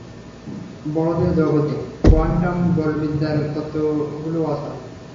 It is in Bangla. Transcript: বড়দের জগতে কোয়ান্টাম বলবিদ্যার তত্ত্বগুলো অচল।